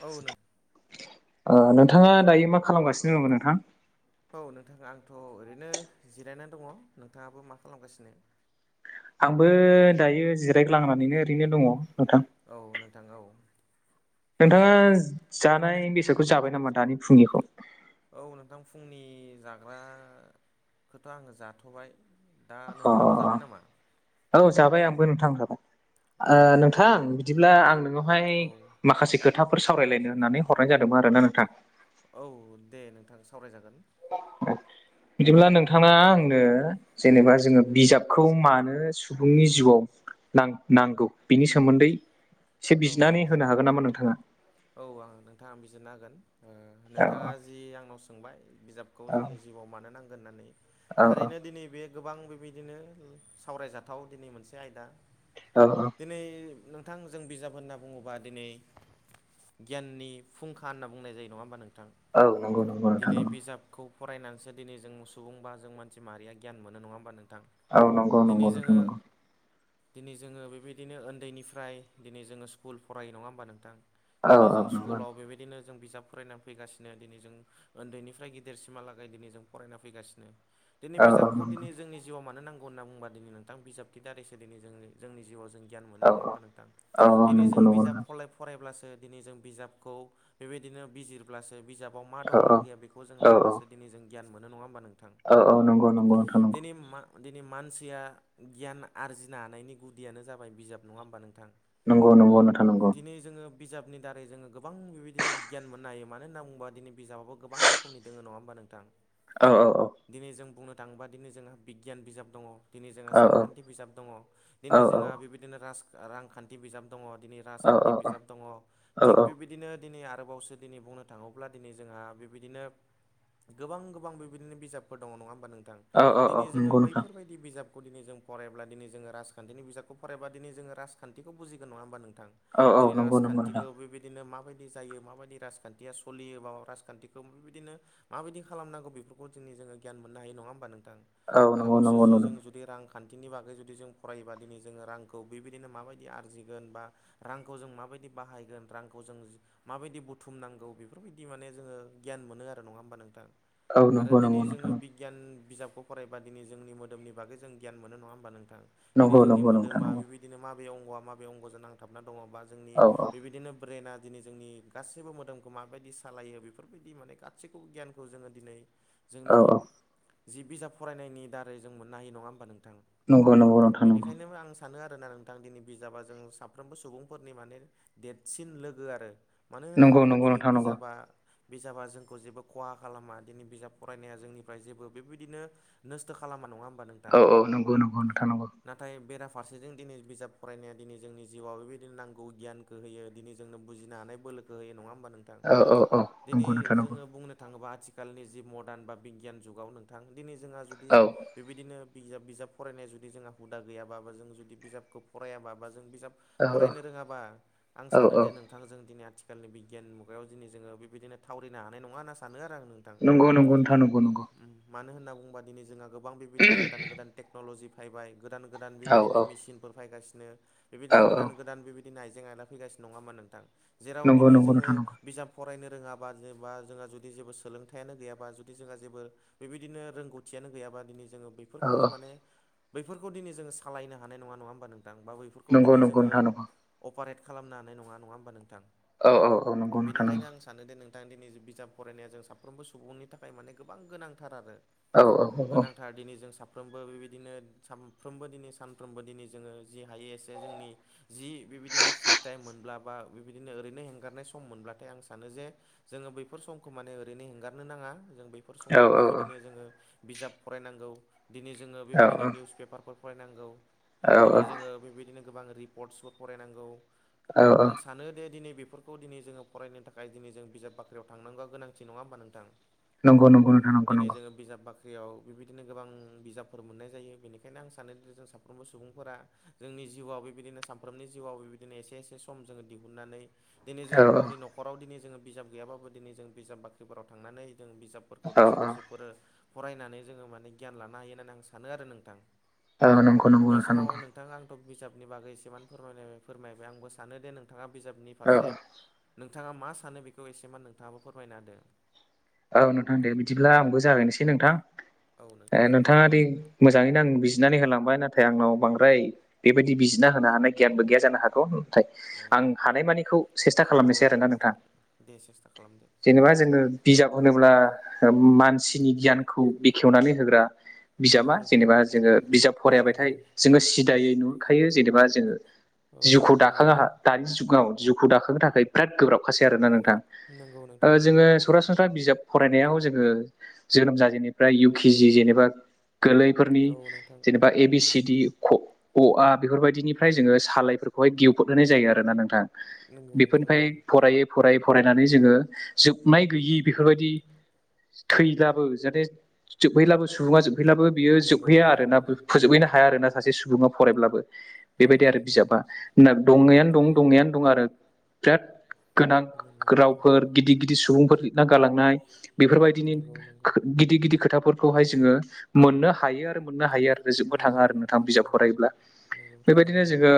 औ नों ओ नोंथाङा दायो मा खालामगासिनो दंमोन नोंथां? औ नोंथां आंथ' ओरैनो जिरायनानै दङ' नोंथाङाबो मा खालामगासिनो? आंबो दायो जिरायग्लांनानैनो ओरैनो दङ नोंथां। औ नोंथां औ। नोंथाङा जानाय बेसादखौ जाबाय नामा दानि फुंनिखौ? औ नोंथां फुंनि जाग्राखोथ' आङो जाथ'बाय। दा अ अ नोंथाङाबो जाबाय नामा? अ अ औ जाबाय आंबो नोंथां जाबाय। औ ओ नोंथां बिदिब्ला आं नोंनावहाय औ माखासे खो थाफोर सावरायलायनो होननानै हरनाय जादोंमोन आरो ना नोंथां। औ दे नोंथां सावरायजागोन। बिदिब्ला नोंथाङा आंनो जेनेबा जोङो बिजाबखौ मानो सुबुंनि जिउआव नां-नांगौ बिनि सोमोन्दै एसे औ बिजिनानै नोंथां, होनो हागोन नामा नोंथाङा? औ आङो नोंथां, आं बिजिरनो हागोन। ओ औ नोंथाङा जि आंनाव सोंबाय बिजाबखौ औ जोंनि जिउआव मानो नांगोन होननानै। औ थारैनो दिनै बे गोबां बेबायदिनो सावरायजाथाव दिनै मोनसे आयदा। औ औ। दिनै नोंथां जों बिजाब होनना बुङोबा दिनि गियाननि फुंखा होनना बुंनाय जायो नङा होमबा नोंथां? औ नंगौ नंगौ नोंथां दिनै नंगौ। बिजाब खौ फरायनानैसो दिनै जों सुबुं बा जों मानसि माहारिया गियान मोनो नङा होनबा नोंथां? औ नंगौ दिनै नंगौ नोंथां जोङो नंगौ दिनै जोङो बेबायदिनो उन्दैनिफ्राय दिनै जोङो स्कुल फरायो नङा होमबा नोंथां औ दिनै औ जों नंगौ स्कुलाव बेबायदिनो जों बिजाब फरायनानै फैगासिनो दिनै जों उन्दैनिफ्राय गिदिरसिमहालागै दिनै जों फरायना फैगासिनो। दिनै औ औ बिजाबखौ नंगौ दिनै जोंनि जिउआव मानो नांगौ होनना बुंबा दिनै नोंथां बिजाबनि दारैसो दिनै जों जोंनि जिउआव जों गियाव मोनो औ नङा होमबा औ नोंथां? औ दिनै नंगौ जों नंगौ बिजाब नोंथां फलाय फरायब्लासो दिनै जों बिजाबखौ बेबायदिनो बिजिर अब्लासो बिजाबाव मा दं मा औ गैया बेखौ जों औ नायब्लासो दिन जों गियान मोनो नङा होमबा नों थां? औ औ नंगौ नंगौ नोंथां दिनै मा दिनै मानसिया गियान आरजिनो हानायनि गुदियानो जाबाय बिजाब नङा होमबा नोंथां? नंगौ नंगौ नोंथां। नंगौ दिनै जोङो बिजाबनि दारै जोङो गोबां बेबायदिनो गियान मोननो हायो मानो होनना बुंबा दिनै बिजाबबो गोबां रोखोमनि दङ नङा होमबा नों थां। औ औ औ दिनै जों बुंनो थाङोबा दिनै जोंहा बिगियान बिजाब दङ। दिनै जोंहा औ सानखान्थि बिजाब दङ औ दिनै जोंहा बेबायदिनो राज रांखान्थि बिजाब दङ दिनै औ राजखान्थि बिजाब दङ, थिग बेबायदिनो दिनै आरोबावसो दिनै बुंनो थाङोब्ला दिनै जोंहा बेबायदिनो गोबां गोबां बेबायदिनो बिजाबफोर दङ नङा होमबा नोंथां औ औ दिनै जोङो नंगौ नोंथां बैफोरबायदि बिजाबखौ दिनै जों फरायब्ला दिनै जोङो राजखान्थिनि बिजाबखौ फरायबा दिनै जोङो राजखान्थि बेखौ बुजिगोन नङा होनबा नोंथां? औ औ दिनै नंगौ नंगौ नोंथां राजखान्थिखौ बिदिनो माबादि जायो माबायदि राजखान्थिया सलियो बा राजखान्थिखौ बेबायदिनो माबायदि खालामनांगौ बेफोरखौ जोंनि जोङो गियान मोननो हायो नङा होमबा नोंथां? औ नंगौ आरोबावसो नंगौ नंगौ जों जुदि रां खान्थिनि बागै जुदि जों फरायोबा दिनै जोङो रांखौ बेबायदिनो माबायदि आरजिगोन बा रांखौ जों माबायदि बाहायगोन रांखौ जों माबायदि बुथुम नांगौ बेफोरबायदि माने जोङो गियान मोनो आरो नङा होमबा नोंथां? औ आरो नंगौ दिनै नंगौ नोंथां जोङो बि गियान बिजाबखौ फरायबा दिनै जोंनि मोदोमनि बागै जों गियान मोनो नङा होमबा नोंथां? दिनै नंगौ जोंनि नंगौ नोंथां मोदोमा नंगौ बेबायदिनो माबे अंग'आ माबे अंग'जों नांथाबना दङ बा जोंनि औ बेबायदिनो ब्रेइना दिनै जोंनि गासैबो मोदोमखौ माबायदि सालायो बेफोरबायदि माने गासैखौबो गियानखौ जोङो दिनै औ जोंनि औ जि बिजाब फरायनायनि दारै जों मोननो हायो नङा होमबा नोंथां? नंगौ नंगौ नोंथां नंगौ बेनिखायनो आं सानो आरोना नों थां दिनै बिजाबा जों साफ्रोमबो सुबुंफोरनि माने देरसिन लोगो आरो। मानो होनना नंगौ बुङोबा नंगौ दिनै नोंथां नंगौ बिजाबा बिजाबा जोंखौ जेबो खहा खालामा दिनै बिजाब फरायनाया जोंनिफ्राय जेबो बेबायदिनो नस्थ' खालामा नङा होमबा नों औ औ नंगौ नंगौ नोंथां नंगौ। नाथाय बेराफारसेजों दिनै बिजाब फरायनाया दिनै जोंनि जिउआव बेबायदिनो नांगौ गियानखौ होयो दिनै जोंनो बुजिनो हानाय बोलोखौ होयो नङा होनबा नों- औ औ दिनै नंगौ नोंथां नंगौ औ जोङो बुंनो थाङोबा आथिखाल- आथिखालनि जि मरदान बा बिगियान जुगाव नोंथां दिनै जोंहा जुदि- बेबायदिनो बिजाब बिजाब फरायनाया जुदि जोंहा हुदा गैयाबाबो जों जुदि बिजाबखौ फरायाबा बा जों बिजाब- औ फरायनो रोङाबा आं औ सानो औ दे नों थांङो जों दिनै आथिखालनि बिगियान मुगायाव दिनै जोङो बेबायदिनो थावरिनो हानाय नङा होनना सानो आरो आंङो- नंगौ नंगौ नोंथां नंगौ नंगौ- ओम मानो होनना बुंङोबा दिनै जोंहा गोबां बेबायदिनो गोदान गोदान टेक्न'लजि फैबाय! गोदान गोदान औ औ बेबायदिनो मेसिनफोर फायगासिनो औ बेबायदिनो औ गोदान गोदान बेबायदिनो- दिनै आइजें आयला फैगास नङा होनबा नोंथां- जेराव नंगौ दिनै नंगौ जोङो नोंथां नंगौ बिजाब- फरायनो रोङाबा जेबा जोंहा जुदि जेबो सोलोंथाइयानो गैयाबा जुदि जोंहा जेबो- बेबायदिनो रोंगौथियानो गैयाबा दिनै जोंङो- औ फोरखौ औ माने बैफोरखौ दिनै जोंङो सालायनो हानाय नंङा नङा होनबा नोंथां बा बै फुरखौ नंगौ दिनै नंगौ नोंथां जोंङो- नंगौ अपारेट खालामनो हानाय नंङा नंङा होन--बा नोंथां औ औ नंगौ नोंथां बेनिखायनो नंगौ आं सा सानो दे नोंथां दिनै जि बिजाब फरायनाया जों साफ्रोमबो सुबुंनि थाखाय माने गोबां गोनांथार आरो- औ औ गोनांथार दिनै जों साफ्रोमबो बेबायदिनो सानफ्रोमबो दिनै सानफ्रोमबो दिनै- जोंङो जि हायो एसे जोंनि- जि बेबायदिनो फ्रि टाइम मोनब्ला बा बेबायदिनो ओरैनो हेंगारनाय सम मोनब्लाथाय आं सानो जे- जोंङो बैफोर समखौ माने ओरैनो हेंगारनो नांङा जों बेफो- औ समाव बेबायदिनो जोंङो बिजाब फरायनांगौ दिनै जोंङो बेबायदिनो निउस पेपारफोर- फरायनांगौ औ दिनै जोंङो बेबायदिनो गोबां रिपर्टसफोर फरायनांगौ- औ औ। आं सानो दे दिनै बेफोरखौ दिनै जोङो फरायनो थाखाय दिनै जों बिजाब बाख्रियाव थांनांगौ गोनांथि नंङा होमबा नोंथां! नंगौ नंगौ नोंथां नंगौ दिनै नंगौ जोंङो बिजाब बाख्रि- याव बेबायदिनो गोबां बिजाबफोर मोननाय जायो! बेनिखायनो आं सानो दि जों साफ्रोमबो सुंबुं- फोरा जोंनि जिउआव बेबायदिनो सानफ्रोमनि जिउआव बेबायदिनो एसे एसे सम जोंङो दिहुननानै- दिनै औ जोंङो गावनि न'खराव दिनै जोंङो बिजाब गैयाबाबो दिनै जों बिजाब बाख्रिफोराव थांनानै जों बिजाब- फोरखौ औ दसे दसे फोरो फरायनानै जोंङो माने गियान लानो हायो होननानै आं सानो आरो नोंथां! औ नंगौ नंगौ बे नोंथां समाव नंगौ! नोंथां आंथ' बिजाबनि बागै एसेबां फोरमायनाय फोरमायबाय आंबो सानो दे नोंथांङा बिजाबनि औ फारसे- नोंथांङा मा सानो बेखौ एसे मान नोंथाङाबो फोरमायना होदो! औ नोंथां दे बिदिब्ला आंबो जागायनोसै नोंथां औ ओ नोंथां जागायदो नोंथांङा दि मोजांङैनो आं बिजिनानै होलांबाय नाथाय आंनाव बांद्राय- बेबायदि बिजिना होनो हानाय गियानबो गैया जानो हागौ! थाय औ आं हानायमानिखौ सेस्था खालामनोसै आरोना नोंथां दे सेस्था खालामदो जेनेबा जोंङो- बिजाब होनोब्ला ओ मानसिनि गियानखौ बेखेवनानै होग्रा- औ बिजाबा नोंथां जेनेबा जोंङो बिजाब फरायाबाथाय नंगौ जोंङो सिदायै नु- खायो जेनेबा जोंङो औ जिउखौ नोंथां दाखां नंगौ दानि जुगाव जिउखौ दाखांनो थाखाय- बिराद गोब्राबखासै आरोना नंगौ नोंथांओ नोंथां नंगौ जोंङो सरासनस्रा बिज- बिजाब फरायनायाव जोंङो जोनोम जाजेननिफ्राय इउ कि जि जेनेबा- गोलै फोरनि औ नोंथां जेनेबा ए बि सि डि- अ आ बेफोर बायदिनिफ्राय जोंङो सालायफोरखौहाय गेउफोद होनाय जायो आरोना नों- आं नंगौ नोंथां बेफोरनिफाय फरायै फरायै फरायनानै जोंङो जोबनाय गैयै- बेफोरबायदि थैब्लाबो जाहाथे जोबहैब्लाबो सुंबुंङा जोब- फैलाबो बियो नंगौ नंगौ जोबहैया आरो नोंथां नंगौ ना फो फोजोबहैनो हाया आरोना सासे सुंबुंङा फरायब्लाबो! बेबायदि नंगौ नंगौ आरो बिजाबा ना दंङैनो दं दंङैयानो दं आरो बिराद- गोनांख रावफोर गिदिर गिदिर सुबुंफोर- ना गालांनाय बेफोरबायदिनि खो गिदिर गिदिर खोथाफोर- खौहाय जोंङो मोननो हायो आरो मोननो हायो आरो- रो नंगौ नोंथां जोबनो नंगौ थांङा आरो नोंथां बिजाब नंगौ फरायोब्ला नंगौ थारैनो बेबायदिनो नंगौ जोंङो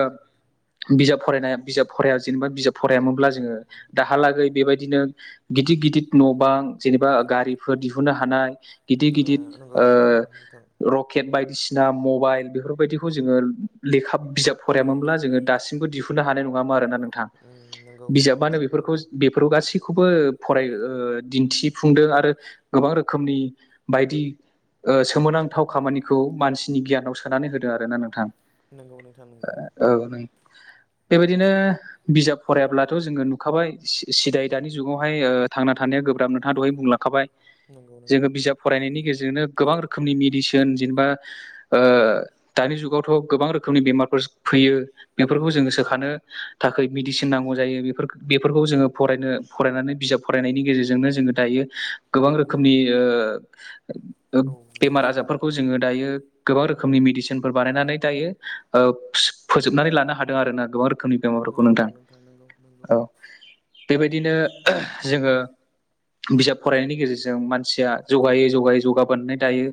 बिजाब फरायनाय बिजाब फराया जेनेबा बिजाब फरायामोनब्ला जोंङो दाहालागै बेबायदिनो गिदिर गिदििर न' बां जेनेबा गारिफोर दिहुनो हानाय गिदिर नङा गिदिर नंगौ ओ नंगौ रक केेट बायदिसिना मबाइल बेफोरबायदिखौ जोंङो लेखा बिजाब फरायामोनब्ला जोंङो दासिमबो दिहुननो हानाय नंङामा आरोना नोंथां बिजाबानो नोंथां बेफोरखौ बे फोराव गासैखौबो फराय दिन्थिफुंदों आरो गोबां रोखोमनि बायदि ओ सोमोनांथाव खामानि खौ मानसिनि गियानाव सोनानै होदों आरोना नोंथां नंगौ नोंथां नोंगौ। औ न बेबायदिनो बिजाब फरायाब्लाथ' जोंङो नुखाबाय सिदाय दानि जुगावहाय थांना थानाया गोब्राब नोंथांङा दहाय बुंलांखाबाय नंगौ जोंङो नोंथां बिजाब फरायनायनि गेजेरजोंनो गोबां रोखोमनि मेडिसिन जेनेबा दानि जुगावथ' गोबां रोखोमनि बेमारफोर फैयो। बेफोरखौ नंगौ नंगौ नोंथां नंगौ जोंङो नोंथां सोखानो थाखाय मेडिसिन नांगौ नंगौ जायो बे बेफोरखौ जोंङो फरायनो फरायनानै बिजाब फरायनायनि गेजेरजोंनो जोंङो दायो गोबां नंगौ रोखोमनि नोंथां औ नोंथां बेमार नंगौ आजारफोरखौ जोंङो दायो गोबां रोखोमनि मेदिसिनफोर बानायनानै दायो फोजोबनानै लानो हादों आरो ना गोबां रोखोमनि फोरखौ नंगौ नोंथां नंगौ नंगौ औ बेबायदिनो जोंङो बिजाब फरायनायनि गेजेरजों मानसिया जौगायै जौगायै जौगाबोनाय दायो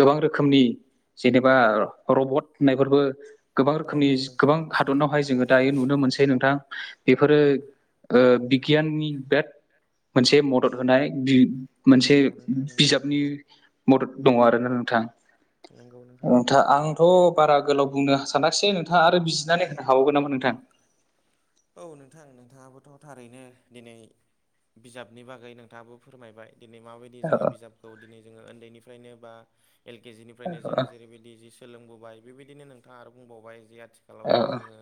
गोबां रोखोमनि जेनेबा रबट होननायफोरबो गोबां रोखोमनि नंगौ नोंथां गोबां हादरनावहाय जोंङो दायो नुनो मोनसै नोंथां बेफोरो नंगौ बिगियाननि बेराद [inaudible] मोनसे मदद होनाय मोनसे नंगौ नोंथां नंगौ बिजाबनि नंगौ मदद दंङो आरोना नोंथां नंगौ नोंथां नंगौ। नोंथा आंथ' बारा गोलाव बुंनो सानाखिसै नोंथांङा आरो बिजिनानै होनो हाबावगोन नामा नोंथां। औ नोंथां नोंथांङाबोथ' थारैनो दिनै बिजाबनि बागै नोंथांङाबो फोरमायबाय दिनै माबायदि औ बिजाब उन्दैनिफ्रायनो बा एल के जिनिफ्रायनो जों औ जेरैदि सोलोंबोबाय बेबायदिनो नोंथाङा आरो बुंबावबाय जे आथिखालाव औ दिनै जोंङो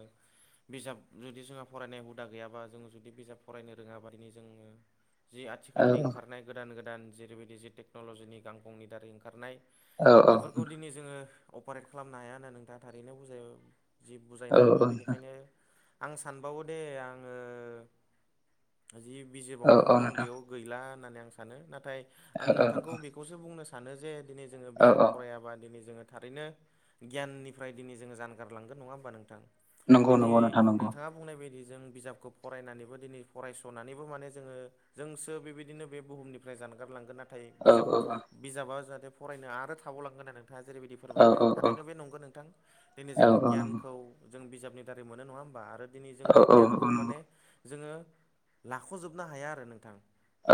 बिजाब जु जुदि जोंहा फरायनाय हुदा गैयाबा जोंङो जुदि बिजाब फरायनो रोंङाबा दिनो जोंङो जि आथिखालनि औ ओंखारनाय गोदान गोदान जेरैबायदि जि टेक्न'ल'जिनि गांखंनि दारै ओंखारनाय औ औ औ बेफोरखौ दिनै जोंङो अपारेट खालामनो हाया होनना नोंथांङा थारैनो बुजाय जि औ बुजायना होबाय नोंथां बेनिखायनो आं सानबावो दे आंङो जि बिजिर औ बावनांगौ औ दं नोंथां बेयाव गैला होननानै आं सानो नाथाय आं औ नोंथांखौ बेखौसो बुंनो सानो जे दिनै जोंङो औ बिजाब औ फरायाबा दिनै जोंङो थारैनो गियाननिफ्राय दिनै जोंङो जानगारलांगोन नंङा होमबा नोंथां नंगौ दिनै नंगौ नोंथां नंगौ मा बुंनाय बायदि जों बिजाबखौ फरायनानैबो दिनै फरायस'नानैबो माने जोंङो जोंसो बेबायदिनो बे बुहुमनिफ्राय जानगारलांगोन नाथाय औ बिजाब औ बिजाबा जाहाथे फरायनो आरो थाबावलांगोन होननानै नोंथांङा जेरैबायदि औ फोरमायबाय औ थारैनो बे नंगौ नोंथां। दिनै औ जोंङो औ नंगौ गियानखौ जों बिजाबनि दारै मोनो नंङा होमबा आरो दिनै जों औ बे औ गियानखौ माने नंगौ जोंङो लाख'जोबनो हाया आरो नोंथां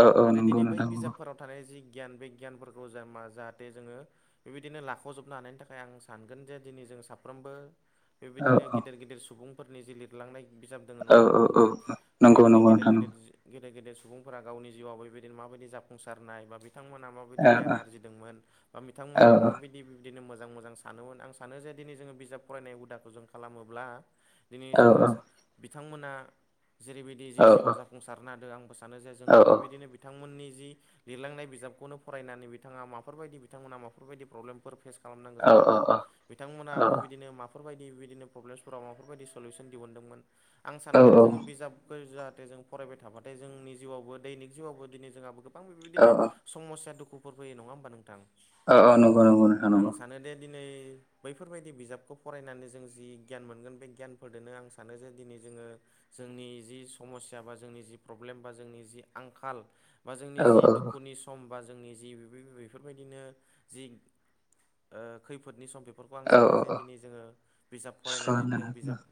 औ औ आरो नंगौ दिनै बै नोंथां नंगौ बिजाबफोराव थानाय जि गियान बे गियानफोरखौ जा जाहाथे जोंङो बेबायदिनो लाख'जोबनो हानायनि थाखाय आं सानगोन जे दिनै जों साफ्रोमबो औ बेबायदिनो औ गेदेर गिदिर सुबुंफोरनि जि लिर लिरलांनाय बिजाब दोङो औ नंङा होमबा औ नोंथां नंगौ बेबायदिनो नंगौ गेदेर नोंथां गेदेर नंगौ गेदेर गेदेर सुबुंफोरा गावनि जिउआव बेबायदि माबायदि जाफुंसारनाय बा बिथांमोना मा बादि औ गियान आरजिदोंमोन ओ औ बिथांमोना मा बायदि? बिदिनो मोजां मोजां सानोमोन आं सानो जे दिनै जोङो बिजाब फरायनाय हुदाखौ जों खालामोब्ला दिनै औ जोंङो सा बिथांमोना जेरैबायदि जि औ जिउआव औ जाफुंसारनो हादों आंबो सा सानो जे जोंबो औ औ बेबायदिनो बिथांमोननि जि लिरलांनाय बिजाबखौनो फरायनानै बिथांङा माफोरबायायदि बिथांमोना माफोरबायदि प्रब्लेमफोर फेस खालामनांगौ नंगौ जादोंमोन बिथांमोना बेबायदिनो माफोरबायदि बिदिनो प्रब्लेमसफोराव माफोरबायदि सलुसन दिहुनदोंमोन आं सानो दि जोंङो बिजाब फोर जाहाथे जों फरायबाय थाबाथाय जोंनि जिउआवबो दैनिक जिउआवबो दिनै जोंहाबो गोबां बेबायदिनो समस्या दुखुफोर फैयो नङा ओमबा नोंथां नंगौ नोंथां आं नंगौ सानो दे दिनै बैफोरबाय बिजाबखौ फरायनानै जों जि गियान मोनगोन बे गियान फोरदोनो आं सानो जे दिनै जोङो जोंनि जि समस्या बा जोंनि जि प्रब्लेम बा जोंनि जि आंखाल बा औ जोंनि औ जि दुख खुनि सम बा जोंनि जि बेफोरबायदिनो जि खैफोदनि सम बेफोरखौ आं औ सानो जे औ दिनै जोङो बिजाब फरायनानै जों सुस्रांनानै बिजाब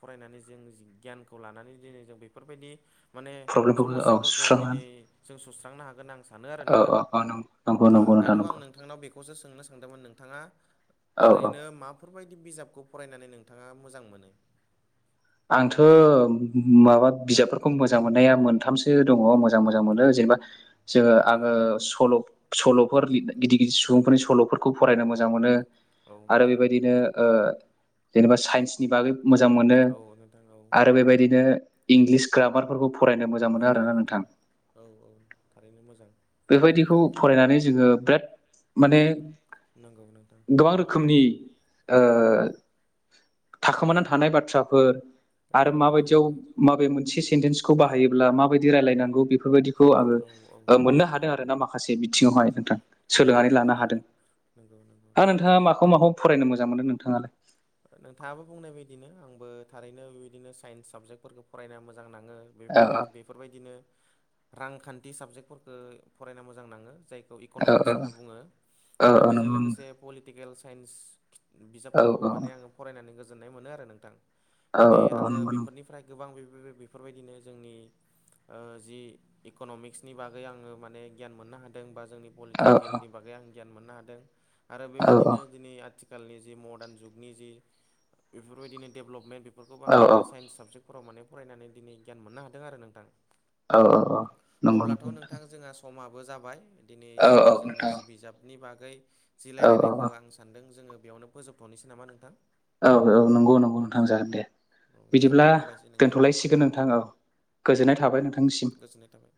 फरायनानै जों गियानखौ लानानै दिनै जों बेफोरबायदि माने प्रब्लेमफोरखौ औ समस्याफोरखौ दिनै सुस्रांनानै जों सुस्रांनो हागोन आं सा सानो आरो औ नोंथां औ औ नंगौ नंगौ नोंथां दाथ' आं नंगौ नों नोंथांनाव बेखौसो सोंनो सानदोंमोन नोंथाङा औ औ ओरैनो मा फोरबायदि बिजाबखौ फरायनानै नोंथाङा मोजां मोनो? आंथ' माबा बिजाबफोरखौ मोजां मोननाया मोनथामसो दङ मोजां मोजां मोनो जेनेबा औ जोङो नोंथां आङो सल' सल'फोर गिदिर गिदिर सुबुंफोरनि सल'फोरखौ फरायनो मोजां मोनो। औ आरो नोंथां बेबायदिनो जेनेबा साइन्सनि बागै मोजां मोनो। अ नोंथां औ आरो बेबायदिनो इंलिस ग्रामारफोरखौ फरायनो मोजां औ मोनो आरोना नोंथां औ औ थारैनो मोजां। बेफोबायदिखौ फरायनानै जोङो बिराद माने नोंगौ नोंथां। गोबां रोखोमनि ओ थाखोमानानै थानाय बाथ्राफोर औ आरो नोंथां माबायदियाव नंगौ माबे मोनसे सेन्टेन्सखौ बाहायोब्ला माबायदि रायलायनांगौ बेफोरबायदिखौ खौ आङो औ औ ओ नंगौ मोननो हादों आरो ना माखासे बिथिङावहाय नोंथां। नंगौ सोलोंनानै नोंथां लानो नोंगो नोंगौ नोंगौ नोंगौ। खौ माखौ फरायनो मोजां मोनो नोंथाङालाय? नोंथाङाबो बुंनाय बायदिनो आंबो थारैनो बेबायदिनो साइन्स साबजेक्टफोरखौ फरायनो मोजां नाङो। बे औ बेफोरबायदिनो रांखान्थि साबजेक्टफोरफोरखौ फरायना मोजां नाङो जाय खौ इक'न'मिक्स औ होनना बुङो औ आरो औ बेजों नंगौ लोगोसे पलिटिकेल साइन्स खिथ बिजाब औ औ फरायनानै गोजोन्नाय मोनो आरो नोंथां दिनै औ औ आङो नंगौ नंगौ बेफोरनिफ्राय गोबां बेबो बेफोरबायदिनो जोंनि ओ जि इक'न'मिक्सनि बागै आङो माने गियान मोननो हादों बा जोंनि औ पलिटिकेलनि बागै आं गियान मोननो हादों आरो औ औ बेबायदिनो दिनै आथिखालनि जि मडार्न जुगनि जि बेफोरबायदिनो डेभलपमेन्ट बेफोरखौबो औ आं माने साइन्स साबजेक्ट फोराव माने फरायनानै दिनै गियान मोननो हादों आरो नोंथां औ औ नंगौ अब्लाथ' नंगौ नोंथां जोङा समा समाबो जाबाय दिनै जोङो औ औ नोंथां औ जोंनि जि बिजाबनि बागै जि लायरायनायखौ औ आं सानदों जोङो बेयावनो फोजोबथ'नोसै नामा नोंथां? औ औ नंगौ नंगौ नोंथां जागोन दे। औ दे बिदिब्ला होमबा हामबायसै नोंथां दोनथ'लायसिगोन नोंथां औ गोजोननाय थाबाय नोंथांनिसिम। गोजोननाय थाबाय